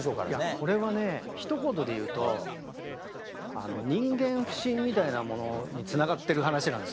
これはねひと言で言うとあの人間不信みたいなものにつながってる話なんですよ。